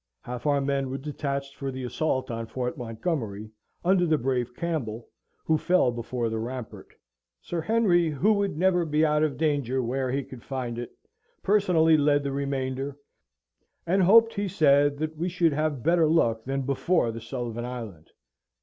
Half our men were detached for the assault on Fort Montgomery, under the brave Campbell, who fell before the rampart. Sir Henry, who would never be out of danger where he could find it, personally led the remainder, and hoped, he said, that we should have better luck than before the Sullivan Island.